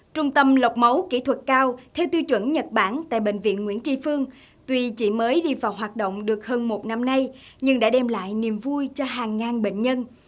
trung tâm lọc máu kỹ thuật cao theo tiêu chuẩn nhật bản tại bệnh viện nguyễn tri phương tuy chỉ mới đi vào hoạt động được hơn một năm nay nhưng đã đem lại niềm vui cho hàng ngàn bệnh nhân